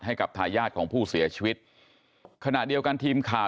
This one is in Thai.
ให้กับทายาทของผู้เสียชีวิตขณะเดียวกันทีมข่าว